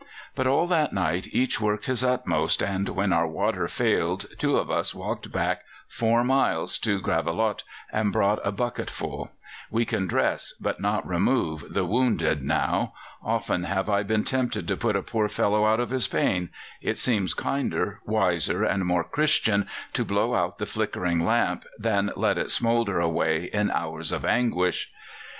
But all that night each worked his utmost, and when our water failed two of us walked back four miles to Gravelotte and brought a bucketful. We can dress, but not remove, the wounded now. Often have I been tempted to put a poor fellow out of his pain; it seems kinder, wiser, and more Christian to blow out the flickering lamp than let it smoulder away in hours of anguish.